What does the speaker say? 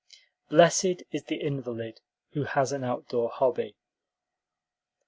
Blessed is the invalid who has an outdoor hobby.